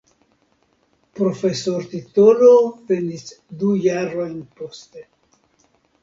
Profesortitolo venis du jarojn poste.